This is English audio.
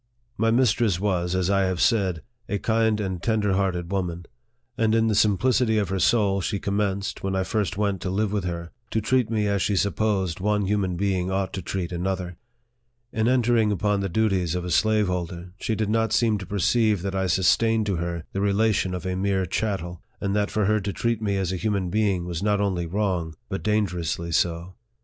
My mistress was, as I have said, a kind and tender hearted woman ; and in the simplicity of her soul she commenced, when I first went to live with her, to treat me as she supposed one human being ought to treat another. In entering upon the duties of a slaveholder, she did not seem to perceive that I sustained to her the relation of a mere chattel, and that for her to treat me as a human being was not only wrong, but dangerously so.